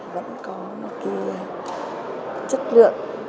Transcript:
vẫn có một cái chất lượng